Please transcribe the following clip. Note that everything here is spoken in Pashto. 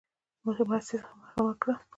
مرستې څخه محروم کړل.